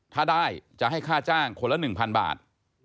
ถ้าได้จะให้ค่าจ้างคนละ๑๐๐บาท